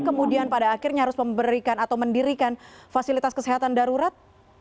kemudian pada akhirnya harus memberikan atau mendirikan fasilitas kesehatan darurat